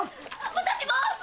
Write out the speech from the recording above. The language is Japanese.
私も！